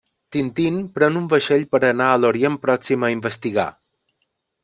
Tintín pren un vaixell per anar a l'Orient Pròxim a investigar.